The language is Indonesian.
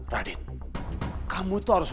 radit kamu itu harus